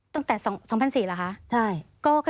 ตั้งแต่๒๔๐๐เหรอคะ